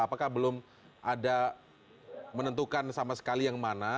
apakah belum ada menentukan sama sekali yang mana